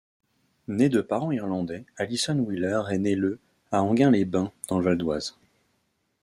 Née de parents irlandais, Alison Wheeler est née le à Enghien-les-Bains dans le Val-d'Oise.